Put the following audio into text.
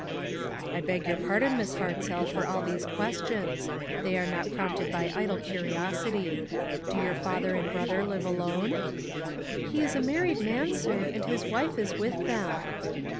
" I beg your pardon, Miss Hartzell, for all these questions ; they are not prompted by idle curiosity. Do your father and brother live alone?" " He is a married man, sir, and his wife is with them."